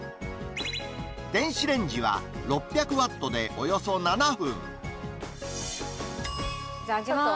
電子レンジは６００ワットでおよそ７分。